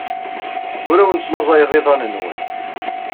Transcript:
Ur awen-slaẓayeɣ iḍan-nwen.